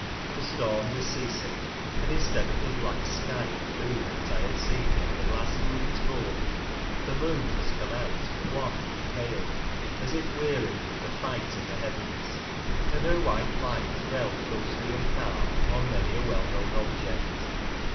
The storm was ceasing, and instead of the black sky of doom, that I had seen when I last looked forth, the: moon was come out, wan and pale, as if wearied with the fight in the heavens ; and her white light fell ghostly and calm on many a well known object.